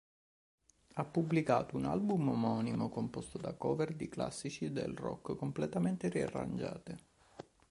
Ha pubblicato un album omonimo, composto da cover di classici del rock completamente riarrangiate.